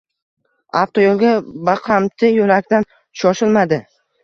Avtoyo’lga baqamti yo’lakdan shoshilmadi.